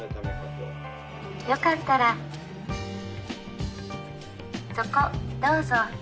よかったらそこどうぞ。